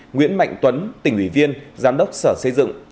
nguyễn mạnh tuấn tỉnh ủy viên giám đốc sở xây dựng